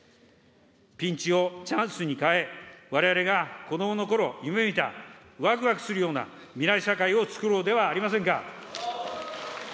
ピンチをチャンスに変え、われわれが子どものころ夢見た、わくわくするような未来社会をつくろうではありませんか。